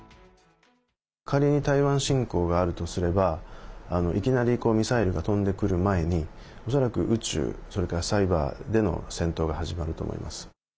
仮に台湾侵攻があるとすればいきなりミサイルが飛んでくる前に、恐らく宇宙、サイバーでの戦闘が始まると思います。